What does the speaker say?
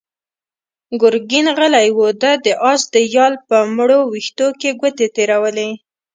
ګرګين غلی و، ده د آس د يال په مړو وېښتو کې ګوتې تېرولې.